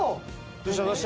どうした？